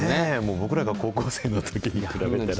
僕らが高校生のときに比べたら。